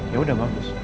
ya udah bagus